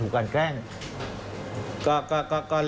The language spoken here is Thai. ส่วนต่างกระโบนการ